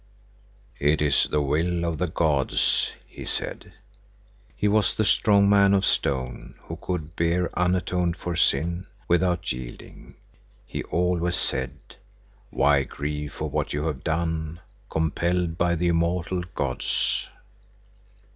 "It is the will of the gods," he said. He was the strong man of stone, who could bear unatoned for sin without yielding. He always said: "Why grieve for what you have done, compelled by the immortal gods?"